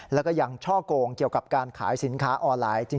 แล้วก็ยังช่อกงเกี่ยวกับการขายสินค้าออนไลน์